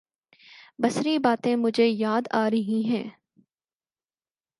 بسری باتیں مجھے یاد آ رہی ہیں۔